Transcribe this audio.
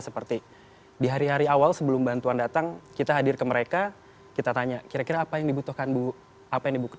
seperti di hari hari awal sebelum bantuan datang kita hadir ke mereka kita tanya kira kira apa yang dibutuhkan pak dari pemerintah atau dari donatur gitu